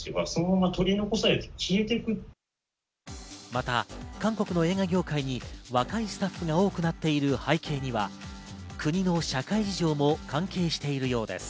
また韓国の映画業界に若いスタッフが多くなっている背景には、国の社会事情も関係しているようです。